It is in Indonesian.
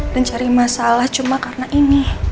dan cari masalah cuma karena ini